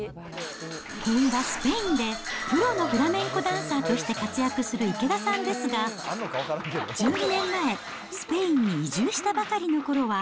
本場スペインでプロのフラメンコダンサーとして活躍する池田さんですが、１２年前、スペインに移住したばかりのころは。